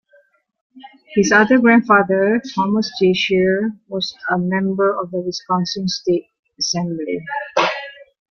His other grandfather, Thomas J. Shear, was a member of the Wisconsin State Assembly.